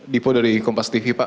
dipo dari kompas tv pak